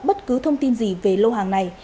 bất cứ thông tin gì về lô hàng này